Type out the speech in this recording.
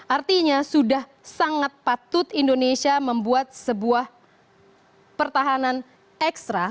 artinya sudah sangat patut indonesia membuat sebuah pertahanan ekstra